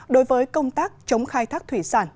đối với công tác chống khai thác thủy sản